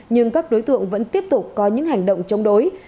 nhưng các đối tượng vẫn tiếp tục có những hành động chống đối